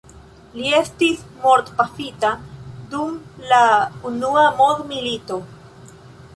Li estis mortpafita dum la unua mondmilito.